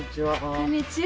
こんにちは。